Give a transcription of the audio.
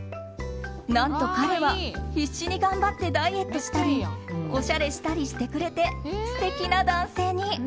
何と彼は必死に頑張ってダイエットしたりおしゃれしたりしてくれて素敵な男性に！